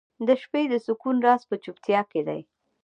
• د شپې د سکون راز په چوپتیا کې دی.